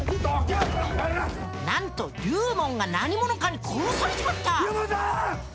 なんと龍門が何者かに殺されちまった！